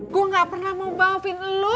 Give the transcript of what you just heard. gue ga pernah mau maafin lo